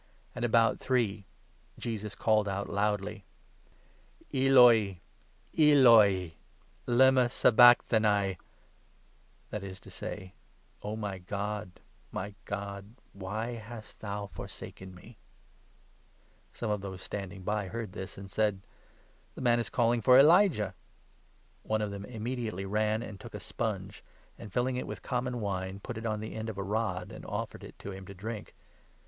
And 46 about three Jesus called out loudly :" Eloi, Eloi, lema sabacthani "— that is to say, ' O my God, my God, why hast thou forsaken me ?' Some of those standing by heard this, and said : 47 " The man is calling for Elijah !" One of them immediately ran and took a sponge, and, filling 48 it with common wine, put it on the end of a rod, and offered it to him to drink.